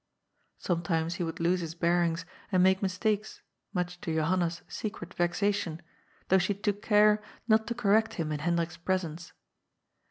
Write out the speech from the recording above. '' Sometimes he would lose his bearings, and make mistakes, much to Johanna's secret vexation, though she took care not to correct him in Hendrik's presence.